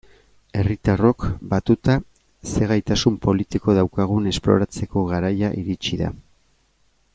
Herritarrok, batuta, zer gaitasun politiko daukagun esploratzeko garaia iritsi da.